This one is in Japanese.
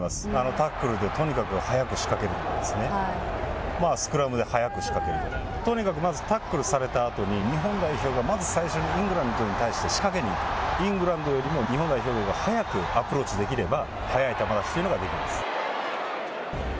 タックルでとにかく早く仕掛けるとかですね、スクラムで早く仕掛けるとか、とにかくまずタックルされたあとに、日本代表が今最初にイングランドに対して仕掛けにいく、イングランドよりも日本代表のほうが早くアプローチできれば、早い球出しというのができます。